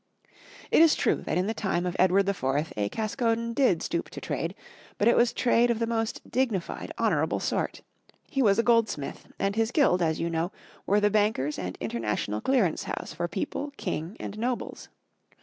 It is true that in the time of Edward IV a Caskoden did stoop to trade, but it was trade of the most dignified, honorable sort; he was a goldsmith, and his guild, as you know, were the bankers and international clearance house for people, king and nobles.